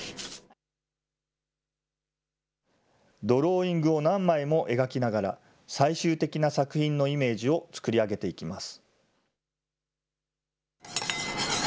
ドローイングを何枚も描きながら、最終的な作品のイメージを作り上げていきます。